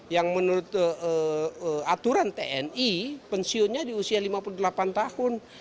yang menurut aturan tni pensiunnya di usia lima puluh delapan tahun